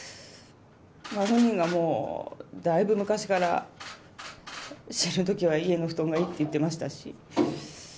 本人がもう、だいぶ昔から死ぬときは家の布団がいいって言ってましたし。